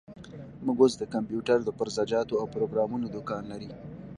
موږ اوس د کمپيوټر د پرزه جاتو او پروګرامونو دوکان لري.